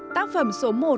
tác phẩm số một